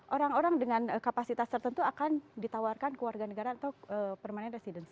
orang orang dengan kapasitas tertentu akan ditawarkan ke warga negara atau permanent residence